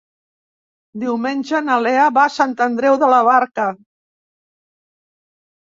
Diumenge na Lea va a Sant Andreu de la Barca.